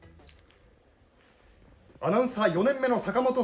アナウンサー４年目の坂本聡です。